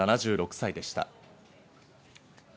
７６歳でした。